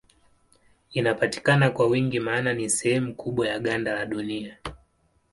Inapatikana kwa wingi maana ni sehemu kubwa ya ganda la Dunia.